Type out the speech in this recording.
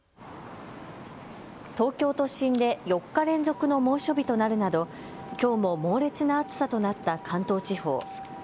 東京都心で４日連続の猛暑日となるなどきょうも猛烈な暑さとなった関東地方。